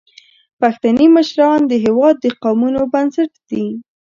پښتني مشران د هیواد د قومونو بنسټ دي.